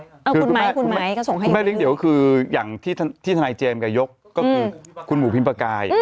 เอาคุณไม้คุณไม้ก็ส่งให้คุณแม่เลี้ยเดี่ยวคืออย่างที่ทนายเจมส์กับยกก็คือคุณหมูพิมประกาย